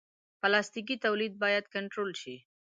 پلاستيکي تولید باید کنټرول شي.